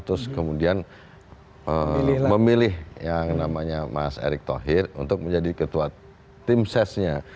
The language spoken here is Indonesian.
terus kemudian memilih yang namanya mas erick thohir untuk menjadi ketua tim sesnya